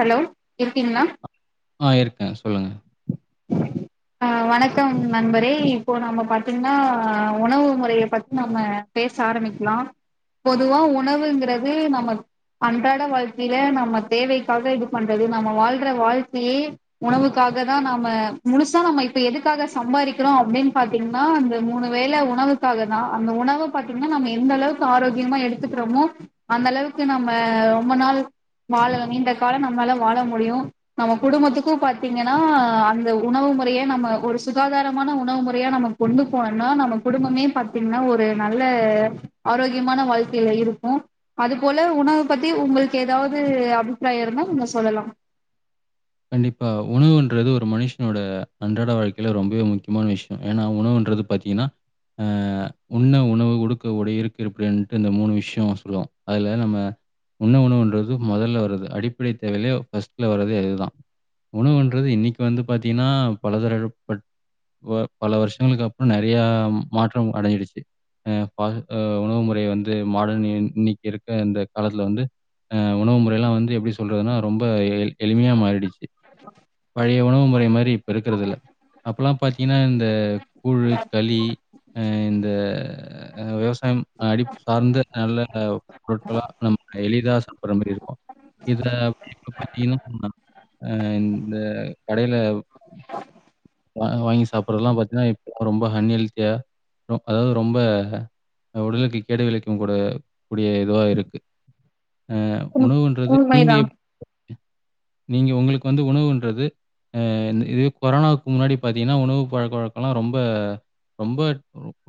Hello இருக்கீங்களா ஆ இருக்கே சொல்லுங்க ஆ வணக்கம் நண்பரே இப்போ நம்ம பாத்தீங்கன்னா உணவு முறைய பத்தி நம்ம பேச ஆரம்பிக்கலா பொதுவா உணவுங்கறது நம்ம அன்றாட வாழ்க்கையல நம்ம தேவை அவள்தா இது பண்றது நம்ம வாழ்ற வாழ்க்கையே உணவுக்காக தா நம்ம முழுசா நம்ம இப்ப எதுக்காக சம்பாதிக்கறோ அப்டின் பாத்தீங்கன்னா அந்த மூணு வேளை உணவுக்காக தா அந்த உணவு் பாத்திங்கன நம்ம எந்த அளவுக்கு ஆரோக்கியமா எடுத்துக்கறோமோ அந்த அளவுக்கு நம்ம ரொம்ப நாள் வாழ் லா நீண்ட வாழ நம்மாலலா வாழ முடியு நம்ம குடும்பத்துக்கு பாத்தீங்கன்னா அந்த உணவு முறைய நம்ம ஒரு சுகாதாரமான உணவு முறையா நம்ம கொண்டு போனுனா நம்ம குடும்பமே பாத்தீங்கன்னா ஒரு நல்ல ஆரோக்கியமான வாழ்க்கையல இருக்கு அது போல உணவ் பத்தி உங்களுக்கு ஏதாவது அ இருந்தா உம்ம சொல்லலா கண்டிப்பா உணவுன்றது ஒரு மனுஷனோட அன்றாட வாழ்க்கையல ரொம்பவே முக்கியமான விஷய ஏனா உணவுன்றது பாத்தீங்கன்னா ஆ உண்ண உணவு உடுக்க உடை இருக்க இருப்பிட இந்த மூணு விஷய சொல்லுவோ அதுல நம்ம உண்ண உணவுன்றது மொதல்ல வர்றது அடிப்படை தேவையிலையே ஃபர்ஸ்ட்ல வரதே இதுதா உணவுன்றது இன்னிக்கு வந்து பாத்தீங்கன்னா பலதர. பட் ப பல வருஷங்களுக்கு அப்புற நெறைய மாற்றம் அடைஞ்சிடுச்சு அ ஆ உணவு முறை வந்து மாடன் இன் இன்னிக்கு இருக்க இந்த காலத்துல வந்து அ உணவு முறை எல்லா வந்து எப்டி சொல்றதுன்னா ரொம்ப எ எளிமையா மாறிடுச்சு பழைய உணவு முறை மாரி இப்ப இருக்கறது இல்ல அப்பல்லா பாத்தீங்கன்னா இந்த கூழ் களி ஆ இந்த விவசாயம் அடி சார்ந்த நல்ல அ பொருட்களா நம்ம எளிதா சாப்பிடுற மாரி இருக்கு இத அப்ப பாத்தீங்கன்னா ஆ இந்த கடைல வா வாங்கி சாப்பறதுல்லா பாத்தீங்கன்னா இப்ப ரொம்ப அன் ஹெல்த்தியா ர அதாவது ரொம்ப உடலுக்கு கேடு விலக்கு கூட கூடிய இதுவாக இருக்கு ஆ உணவுன்றது நீங்க உண்மைதா எப் நீங்க உங்களுக் வந்து உணவுன்றது ஆ இந்த இது கொரோனாக்கு முன்னாடி பாத்திங்கனா உணவுப்பழக்க வழக்கலா ரொம்ப ரொம்ப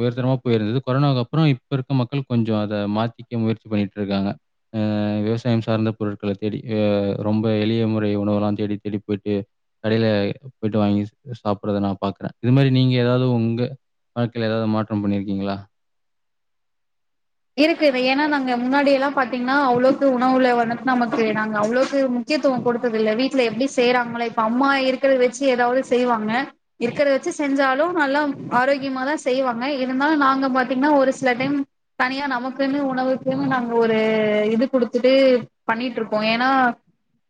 உயர்தரமா போயிருந்தது கொரோனாக்கு அப்புற இப்ப இருக்க மக்கள் கொஞ்ச அத மாத்திக்க முயற்சி பண்ணிட்டு இருக்காங்க ஆ விவசாயம் சார்ந்த பொருட்கள தேடி ஆ ரொம்ப எளிய முறை உணவுல்லா தேடி தேடி போயிட்டு கடைல போயிட்டு வாங்கி சாப்பறத நா பாக்கறே இது மாரி நீங்க ஏதாவது உங்க வாழ்க்கை லா ஏதாவது மாற்றம் பண்ணிருக்கீங்களா இருக்கு இது ஏன்னா நாங்க முன்னாடி எல்லா பாத்தீங்கன்னா அவ்வளக்கு உணவுல வண்ணது நமக்கு நாங்க அவ்வளவுக்கு முக்கியத்துவம் கொடுத்தது இல்ல வீட்ல எப்டி செய்யறாங்களோ இப்ப அம்மா இருக்கறதா வச்சு ஏதாவது செய்வாங்க இருக்கறதா வச்சு செஞ்சாலும் நல்லா ஆரோக்கியமாதா செய்வாங்க இருந்தாலு நாங்க பாத்தீங்கன்னா ஒரு சில டைம் தனியா நமக்குன்னு உணவுக்குன்ன நாங்க ஒரு இது குடுத்துட்டு பண்ணிட்டு இருப்போ ஏனா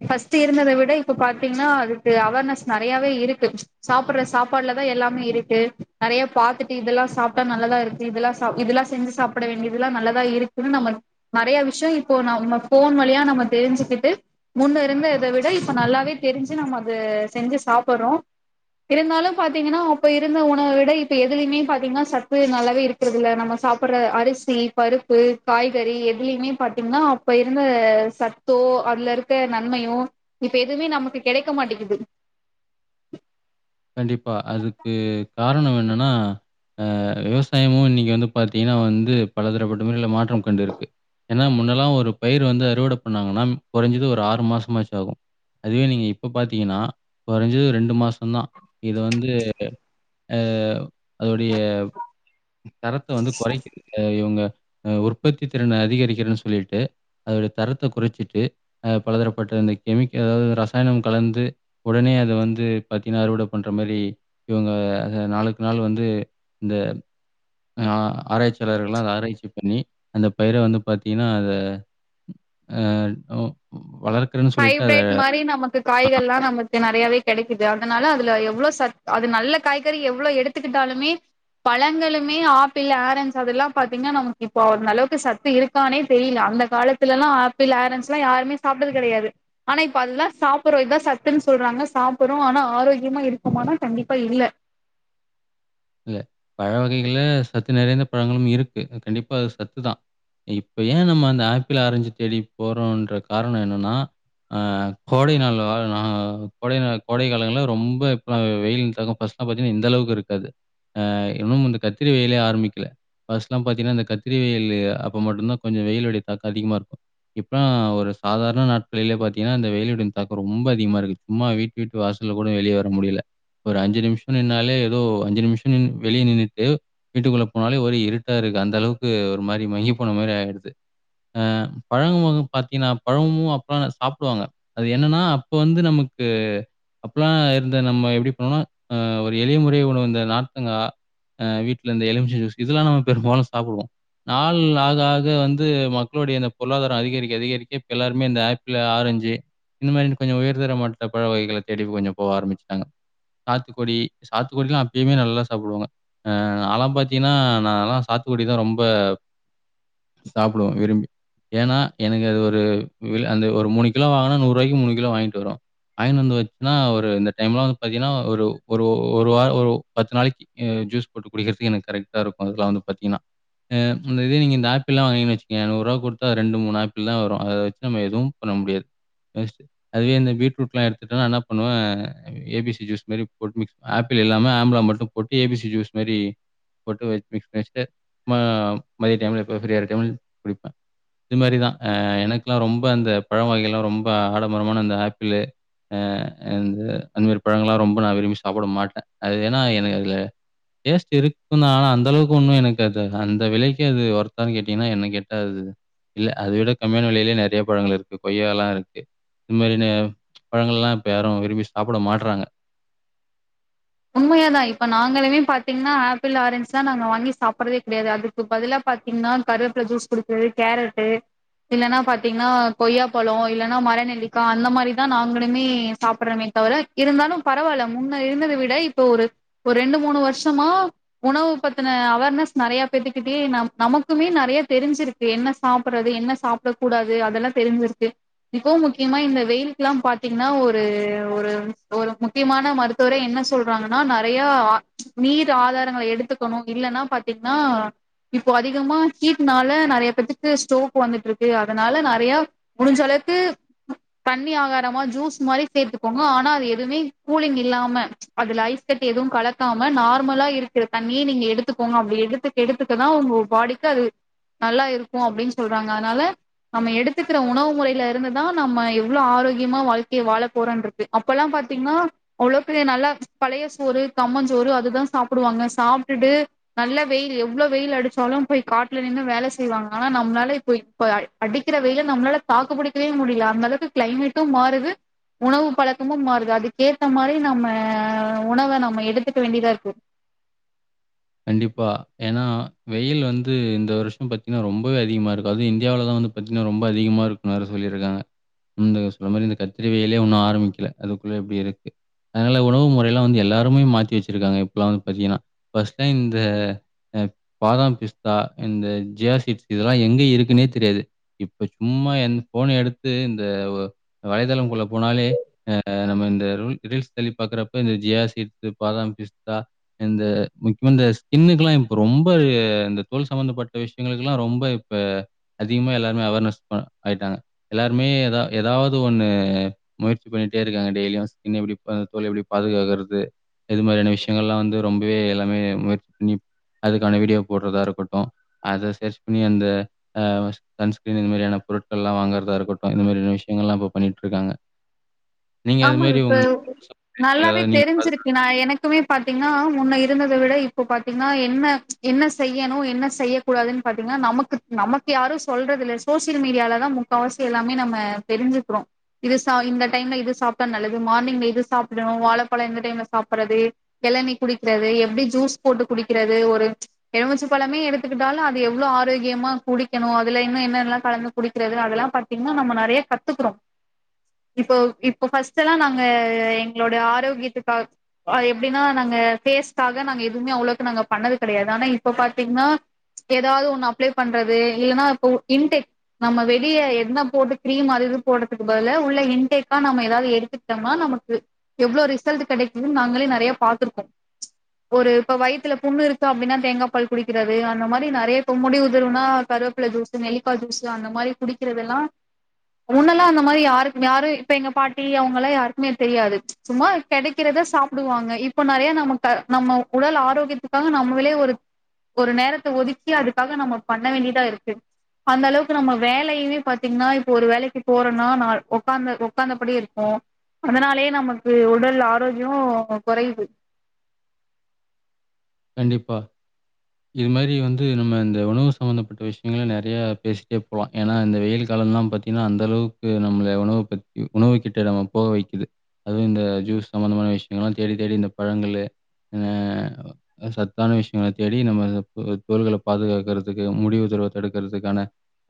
ஃபஸ்ட் இருந்தத விட இப்ப பாத்தீங்கன்னா அதுக்கு அவேர்னஸ் நெறையாவே இருக்கு சாப்பிடுற சாப்பாடுலதா எல்லாமே இருக்கு நெறைய பாத்துட்டு இதெல்லா சாப்ட்டா நல்லதா இருக்கு இதெல்லா சா இதெல்லா செஞ்சு சாப் சாப்பட வேண்டியது எல்லா நல்லதா இருக்குன்னு நம்ம நெறைய விஷயம் இப்போ நம்ம ஃபோன் வழியா நம்ம தெரிஞ்சுக்கிட்டு முன்ன இருந்தத விட இப்ப நல்லாவே தெரிஞ்சு நம்ம அது செஞ்சு சாப்டுறோம் இருந்தாலும் பா்த்தீங்கன்னா அப்ப இருந்த உணவ விட இப்ப எதுலுமே பாத்தீங்கன்னா சத்து நல்லாவே இருக்கற இல்ல நம்ம சாப்புடுற அரிசி பருப்பு காய்கறி எதுலயுமே பாத்தீங்கன்னா அப்ப இருந்த சத்தோ அதுல இருக்க நன்மையோ இப்ப எதுவுமே நமக்கு கெடைக்க மாட்டேங்குது கண்டிப்பா அதுக்கு காரணோ என்னன்னா அ விவசாயமு இன்னைக்கு வந்து பாத்தீங்கன்னா வந்து பலதரப்பட்ட முறில மாற்றம் கண்டுருக்கு ஏன்னா முன்னெல்லா ஒரு பயிர் வந்து அறுவடை பண்ணாங்கன்னா குறைஞ்சது ஒரு ஆறு மாசமாச்சு ஆகு அதுவே நீங்க இப்ப பாத்தீங்கன்னா குறைஞ்சது ரெண்டு மாசந்தா இது வந்து அ அதோடைய தரத்த வந்து குறைக்குது ஆ இவங்க ஆ உற்பத்தி திறன அதிகரிக்கிறன்னு சொல்லிட்டு அதோட தரத்த கொறைச்சிட்டு அ பலதரப்பட்ட அந்த கெமிக்கல் அதாவது ரசாயனம் கலந்து உடனே அத வந்து பாத்தீன்னா அறுவட பண்ற மாரி இவங்க நாளுக்கு நாள் வந்து இந்த ஆராய்ச்சியாளர்கள்ல்லாஅத ஆராய்ச்சி பண்ணி அந்த பயிர வந்து பாத்தீங்கன்னா அத அ வளர்க் ஹைப்ரேட் மாரி நமக்கு காய்கள்ல்லா நமக் நிறையாவே கெடைக்குது அதனால அதுல எவ்ளோ சத் அது நல்ல காய்கறி எவ்ளோ எடுத்துக்கிட்டாலுமே பழங்களுமே ஆப்பிள் ஆரஞ்ச் அதெல்லா பாத்தீங்கன்னா நமக்கு இப்போ அந்தளவுக்கு சத்து இருக்கானே தெரியல அந்த காலத்துலலா ஆப்பிள் ஆரஞ்ச்ல்லா யாருமே சாப்ட்டது கெடையாது ஆனா இப்ப அதல்லா சாப்பிட்றோ இத்தா சத்துன்னு சொல்றாங்க சாப்பிட்றோ ஆனா ஆரோக்கியமா இருக்குமானா கண்டிப்பா இல்ல இல்ல பழ வகைகள்ல சத்து நிறையந்த பழங்களு இருக்கு கண்டிப்பா அது சத்துதா இப்ப ஏ நம்ம அந்த ஆப்பிள் ஆரஞ்சு தேடி போறோம்ன்ற காரனோ என்னன்னா ஆ கோடை நாள் கோடை கோடை காலங்கள ரொம்ப இப்ப வெயில் தக்க ஃபர்ஸ்ட்லா பாத்தீங்கன்னா இந்தளவுக்கு இருக்காது ஆ இன்னு இந்த கத்திரி வெயிலே ஆரம்பிக்கல ஃபஸ்ட்லா பாத்தீங்கன்னா இந்த கத்திரி வெயிலு அப்ப மட்டுந்தா கொஞ்சோ வெயிலுடைய தாக்கோ அதிகமா இருக்கு இப்பலா ஒரு சாதாரண நாட்களிலே பாத்தீங்கன்னா அந்த வெயிலுடைய தாக்கோ ரொம்ப அதிகமா இருக்கு சும்மா வீட்டு வீட்டு வாசல்ல கூட வெளியே வர முடியல ஒரு அஞ்சு நிமிஷோ நின்னாலே ஏதோ அஞ்சு நிமிஷோ நின்னு வெளியே நின்னுட்டு வீட்டுக்குள்ளே போனாலே ஒரே இருட்டா இருக்கு அந்த அளவுக்கு ஒரு மாரி மங்கி போன மாரி ஆகிடுது ஆ பழங்க மொகோ பாத்தீங்கன்னா பழ முகம் அப்பல்லா சாப்பிடுவாங்க அது என்னன்னா அப்போ வந்து நமக்கு அப்போலா இருந்த நம்ம எப்படி பண்ணோம்னா ஆ ஒரு எளிய முறை உனவு அந்த நார்த்தங்கா ஆ வீட்டுல இந்த எலுமிச்ச ஜுஸ் இதெல்லா நம்ம பெரும்பாலு சாப்பிடுவோ நாள் ஆக ஆக வந்து மக்களுடைய இந்த பொருளாதாரோ அதிகரிக்க அதிகரிக்க இப்ப எல்லாருமே இந்த ஆப்பிள் ஆரஞ்சு இந்த மாரி கொஞ்சோ உயர்தர மட்ட பழ வகைகள தேடி கொஞ்சோ போக ஆரம்பிச்சுட்டாங்க சாத்துக்குடி சாத்துக்குடிலா அப் எப்பயுமே நல்லா சாப்பிடுவாங்க ஆ நாலா பாத்தீங்கன்னா நாலா சாத்துக்குடி தா ரொம்ப சாப்பிடுவே விரும்பி ஏன்னா எனக்கு அது ஒரு அந்த ஒரு மூணு கிலோ வாங்கனா நூறுூபாய்க்கு மூணு கிலோ வாங்கிட்டு வரு வாங்கினனு வந்து வச்சுனா ஒரு இந்த டைம்லா வந்து பாத்தீங்கன்னா ஒரு ஒரு ஒரு வாரோ ஒரு பத்து நாளைக்கு ஜூஸ் போட்டு குடிக்கிறதுக்கு எனக்கு கரெக்ட்டா இருக்கு அதுக்கலா வந்து பத்தீங்கன்னா ஆ அந்த இதே நீங்க இந்த ஆப்பிள்லா வாங்கினங்கன்னு வச்சீங்கயே நூற்ருவா குடுத்தா ரெண்டு மூணு ஆப்பிள் தா வரு அத வச்சு நம்ம எதுவு பண்ண முடியாது அதுவே இந்த பீட்ரூட்லா எடுத்துட்டோனா என்ன பண்ணுவே ஏ பி சி ஜூஸ் மாரி போட் மிக்ஸ் ஆப்பிள் இல்லாம ஆம்லா மட்டு போட்டு ஏ பி சி ஜூஸ் மாறி போட்டு வச்சிட்டு மா மதிய டைமில எப்ப ஃபிரீயா டைம் ல குடிப்பே இது மாரிதா ஆ எனக்குலா ரொம்ப அந்த பழ வகைலா ரொம்ப ஆடம்பரமான அந்த ஆப்பிள் ஆ அந்தமாரி பழங்கலா ரொம்ப நா விரும்பி சாப்ட மாட்டே ஏன்னா எனக்கு அதுல டேஸ்ட் இருக்குந்தா ஆனா அந்த அளவுக்கு ஒண்ணு எனக்கு அது அந்த விலைக்கு அது ஒர்த்தான்னு கேட்டீங்கன்னா என்ன கேட்ட அது இல்ல அத விட கம்மியான விலையிலயே நிறைய பழங்கள் இருக்கு கொய்யா எல்லா இருக்கு இது மாரியான பழங்கள் எல்லா இப்ப யாரு விரும்பி சாப்பிட மாட்டறாங்க உண்மையா தா இப்ப நாங்களுமே பாத்தீங்கன்னா ஆப்பிள் ஆரஞ்ச் தா நா வாங்கி சாப்பிட்றதே கெடையாது அதுக்கு பதிலா பாத்தீங்கன்னா கருவேப்பில ஜூஸ் குடிக்கிறது கேரட் இல்லைன்னா பாத்தீங்கன்னா கொய்யா பழோ இல்லன்னா மரநெல்லிக்கா அந்த மாரி தா நாங்களுமே சாப்பிட்றமே தவிர இருந்தாலு பரவாயில்ல முன்ன இருந்தத விட இல்ல இப்ப ஒரு ரெண்டு மூணு வருஷமா உனவ பத்தின அவேர்னஸ் நெறையாபேத்துக்கிட்டேயே நம நமக்குமே நறையூ தெரிஞ்சிருக்கு என்ன சாப்புட்றது என்ன சாப்ட கூடாது அதெலா தெரிஞ்சுருக்கு இப்போ முக்கியமா இந்த வெயில்க்குலா பாத்திங்கனா ஒரு ஒரு ஒரு முக்கியமான மருத்துவரே என்ன சொ சொல்றாங்கன்னா நெறையா நீர் ஆதாரங்கள எடுத்துக்கணு இல்லைன்னா பாத்தீங்கன்னா இப்போ அதிகமா ஹீட்னால நெறையா பேத்துக்கு ஸ்டோக் வந்துட்டு இருக்கு அதனால நெறையா முடிஞ்ச அளவுக்கு தண்ணி ஆகாரமா ஜூஸ் மாரி சேர்த்துக்கோங்க ஆனா அது எதுவுமே கூலிங் இல்லாம அதுல ஐஸ் கட்டி எதுவு கலக்காம நார்மலா இருக்கிற தண்ணிய நீங்க எடுத்துக்கோங்க அப்படி எடுத்துக்க எடுத்துக்க தா உங்க பாடிக்கு அது நல்லா இருக்கு அப்டின்னு சொல்றாங்க அதனால நம்ம எடுத்துக்கிற உணவு முறையில இருந்துதா நம்ம எவ்ளோ ஆரோக்கியமா வாழ்க்கைய வாழ போறோன்றிக்கு அப்போலா பாத்தீங்கன்னா அவ்ளோ பெரிய நல்லா பழைய சோறு கம்மஞ்சோறு அதுதா சாப்பிடுவாங்க சாப்ட்டுட்டு நல்ல வெயிலு எவ்ளோ வெயில் அடிச்சாலு போய் காட்டுல நின்னு வேல செய்வாங்க ஆனா நம்மளால இப்ப இப்ப அடிக்கிற வெயில நம்மளால தாக்குப்பிடிக்கவே முடியல அந்த அளவுக்கு கிளைமேட்டு மாறுது உணவு பழக்கமு மாறுது அதுக்கேத்த மாரி நம்ம உணவ நம்ம எடுத்துக்க வேண்டியதா இருக்கு கண்டிப்பா ஏன்னா வெயில் வந்து இந்த வருஷ பாத்தீங்கன்னா ரொம்பவே அதிகமா இருக்கு அதுவு இந்தியாவிலதா வந்து பாத்தீங்கன்னா ரொம்ப அதிகமா இருக்குன்னு வேர சொல்லியிருக்காங்க இந்தக்க சொன்ன மாரி இந்த கத்திரி வெயிலே இன்னு ஆரம்பிக்கல அதுக்குள்ள இப்டி இருக்கு அதனால உணவு முறைலா வந்து எல்லாருமே மாத்தி வச்சிருக்காங்க இப்பெல்லா வந்து பாத்தீங்கன்னா ஃபஸ் தா இந்த ஆ பாதாம் பிஸ்தா இந்த ஜியா சீட்ஸ் இதெல்லா எங்க இருக்குன்னே தெரியாது இப்போ சும்மா எ ஃபோன எடுத்து இந்த வலைதளம் குள்ள போனாலே ஆ நம்ம இந்த ரல் ரீல்ஸ் தள்ளி பாக்கறப்ப இந்த ஜியா சீட்ஸ் பாதாம் பிஸ்தா இந்த முக்கியா இந்த ஸ்கின்னுக்குலா இப்ப ரொம்ப இந்த தோல் சம்பந்தப்பட்ட விஷயங்களுக்குலா ரொம்ப இப்ப அதிகமா எல்லாருமே அவேர்னஸ் ஆயிட்டாங்க எல்லாருமே ஏதா ஏதாவது ஒண்ணு முயற்சி பண்ணிட்டே இருக்காங்க டெய்லியு ஸ்கின் எப்டி தோல் எப்டி பாதுகாக்கறது இது மாரியான விஷயங்கள்லா வந்து ரொம்பவே எல்ல [unintelligible] முயற்சி பண்ணி அதுக்கான வீடியோ போடுறதா இருக்கட்டு அத சர்ச் பண்ணி அந்த அ சன்ஸ்கிரீன் இந்த மாரியான பொருட்கள் எல்லா வாங்கறதா இருக்கட்டு இந்த மாரியான விஷயங்கள்லா இப்ப பண்ணிட்ருக்காங்க ஆமா இப்ப நல்லாவே ஏதாவது நீங்க பாது தெரிஞ்சிருக்கு நா எனக்குமே பாத்தீங்கன்னா முன்ன இருந்தத விட இப்ப பாத்தீங்கன்னா என்ன என்ன செய்யணு என்ன செய்யக்கூடாதுன்னு பாத்தீங்கன்னா நமக்கு நமக்கு யாரு சொல்றது இல்ல சோசியல் மீடியாலதா முக்காவாசி எல்லாமே நம்ம தெரிஞ்சுக்குறோ இது இந்த டைம்ல இது சாப்டா நல்லது மார்னிங்ல இது சாப்பிடுனு வாழைப்பழோ எந்த டைம்ல சாப்பிற்றது எளனி குடிக்கிறது எப்டி ஜூஸ் போட்டு குடிக்கிறது ஒரு எலுமிச்ச பழமே எடுத்துக்கிட்டால அது எவ்ளோ ஆரோக்கியமா குடிக்கணு அதுல இன்னு என்னல்லா கலந்து குடிக்கிறது அதல்லா பாத்தீங்கன்னா நம்ம நரயா கத்துக்கறோ இப்போ இப் இப்ப ஃபஸ்டுலா நாங்க எங்களோட ஆரோக்கியத்துக்காக எப்டின்னா நாங்க ஃபேஸ்காக நாங்க எதுவுமே அவ்ளோக்கு நாங்க பண்ணது கெடையாது ஆனா இப்ப பாத்தீங்கன்னா ஏதாவது ஒண்ணு அப்ளை பண்றது இல்லைனா இப்ப இன்டெக் நம்ம வெளிய என்ன போட்டு கிரீம் அது இது போடுறதுக்கு பதில் உள்ள இன்டெக்கா நம்ம ஏதாவது எடுத்துக்கிட்டம்னா நமக்கு எவ்ளோ ரிசல்ட் கிடைக்குதுனு நாங்களே நறையா பாத்திருக்கோ ஒரு இப்ப வயித்துல புண்ணு இருக்கு அப்டின்னா தேங்கா பால் குடிக்கிறது அந்த மாரி இப்ப நறைய முடி உதிர்நா கருவேப்பில ஜுஸு நெல்லிக்கா ஜுஸு அந்த மாரி குடிக்கிறதெல்லா முன்னல்லா அந்த மாரக யாரு யாரு இப்ப எங்க பா டி அவங்கலா யாருக்குமே தெரியாது சும்மா கெடைக்கிறத சாப்பிடுவாங்க இப்போ நறையா நமக்க நம்ம உடல் ஆரோக்கியத்துக்காக நம்மளயே ஒரு ஒரு நேரத்த ஒதுக்கி அதுக்காக நம்ம பண்ண வேண்டியதா இருக்கு அந்த அளவுக்கு நம்ம வேலையுமே பாத்தீங்கன்னா இப்போ ஒரு வேலைக்கு போறோம்னா நா உக்காந்த உ்காந்தபடி இரு ஓ அதனாலே நமக்கு உடல் ஆரோக்கியோ கொறையுது கண்டிப்பா இது மாரி வந்து நம்ம இந்த உணவு சம்பந்தப்பட்ட விஷயங்க நிறைய பேசிட்டே போலா ஏன்னா இந்த வெயில் காலோலா பாத்தீங்கன்னா அந்த அளவுக்கு நம்மள உணவ பத்தி உணவு கிட்ட நம்ம போக வைக்குது அதுவு இந்த ஜூஸ் சம்பந்தமான விஷயங்கள்லா தேடி தேடி இந்த பழங்களு ஆ சத்தான விஷயங்கள தேடி நம்ம தோள்கள பாதுகாக்கறதுக்கு முடி உதிர்வ தடுக்கறதுக்கான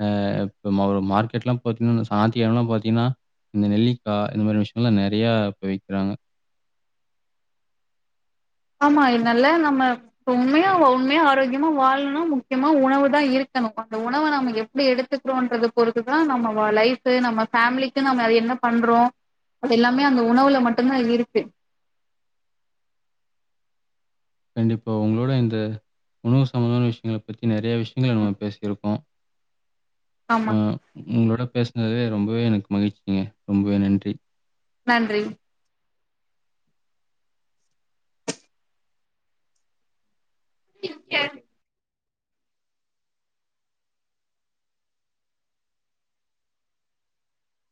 ஆ இப்ப மார்க்கெட்லா பாத்தீங்கன்னா சாந்தியானா பாத்தீங்கன்னா இந்த நெல்லிக்காய் இந்த மாதிரி விஷயங்கள் எல்லா நிறைய இப்ப விக்கிறாங்க ஆமா இதனால நம்ம உண்மையா உண்மையா ஆரோக்கியமா வாழணும்னா முக்கியமா உணவு தா இருக்கணு அந்த உணவ நம்ம எப்டி எடுத்துக்கிறோம்ன்றது பொறுத்துதா நம்ம லைஃப் நம்ம ஃபேமிலிக்கு நம்ம அது என்ன பண்றோ அது எல்லாமே அந்த உணவுல மட்டும்தா இருக்கு கண்டிப்பா உங்களோட இந்த உணவு சம்பந்தமான விஷயங்கள பத்தி நிறையா விஷயங்கள நம்ம பேசிருக்கோ ஆமா உங்களோட பேசுனதே ரொம்பவே எனக்கு மகிழ்ச்சிங்க ரொம்பவே நன்றி நன்றி [inaudible]